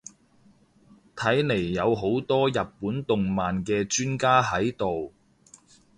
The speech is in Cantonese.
睇嚟有好多日本動漫嘅專家喺度